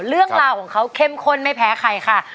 เรื่องราวของเขาเข้มข้นไม่แพ้ใครค่ะ